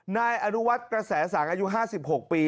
นายอนุวัฒน์กระแสสังอายุ๕๖ปี